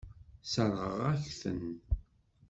Sseṛɣeɣ-ak-ten.